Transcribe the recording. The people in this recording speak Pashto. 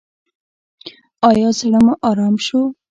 ایا زړه مو ارام شو؟